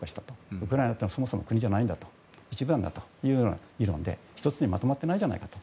ウクライナというのはそもそも国じゃないんだと一部だという議論で１つにまとまってじゃないかと。